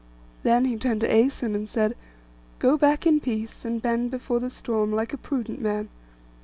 Then he turned to Æson, and said, 'Go back in peace, and bend before the storm like a prudent man.